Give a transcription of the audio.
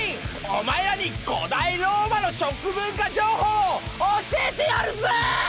お前らに古代ローマの食文化情報を教えてやるぜ！